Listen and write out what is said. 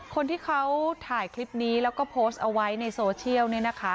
คนที่เขาถ่ายคลิปนี้แล้วก็โพสต์เอาไว้ในโซเชียลเนี่ยนะคะ